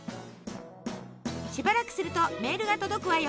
しばらくするとメールが届くわよ。